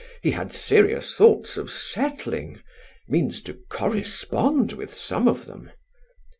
He had serious thoughts of settling, means to correspond with some of them."